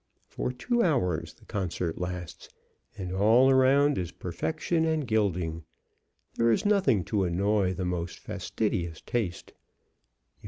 For two hours the concert lasts, and all around is perfection and gilding. There is nothing to annoy the most fastidious taste.